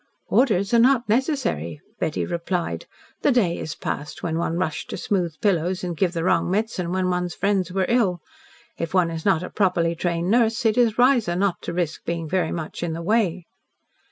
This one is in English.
"Orders are not necessary," Betty replied. "The day is past when one rushed to smooth pillows and give the wrong medicine when one's friends were ill. If one is not a properly trained nurse, it is wiser not to risk being very much in the way."